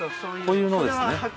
こういうのですね。